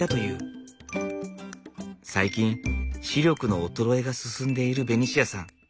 最近視力の衰えが進んでいるベニシアさん。